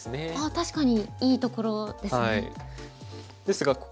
ああ確かにいいところですね。